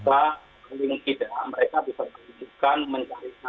sehingga paling tidak mereka bisa memperlukan mencari cara